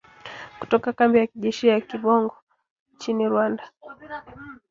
kutoka kambi ya kijeshi ya Kibungo nchini Rwanda